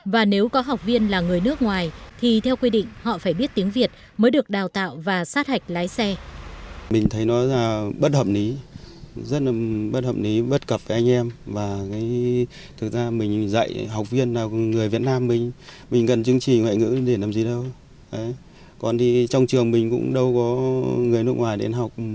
và nếu có học viên là người nước ngoài thì theo quy định họ phải biết tiếng việt mới được đào tạo và sát hạch lái xe